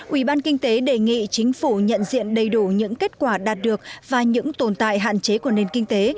ủy ban kinh tế đề nghị chính phủ nhận diện đầy đủ những kết quả đạt được và những tồn tại hạn chế của nền kinh tế